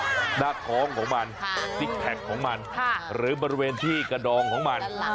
หน้าท้องของมันซิกแพคของมันหรือบริเวณที่กระดองของมัน